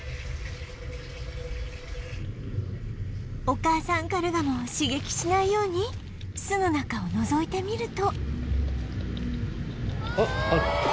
お母さんカルガモを刺激しないように巣の中をのぞいてみると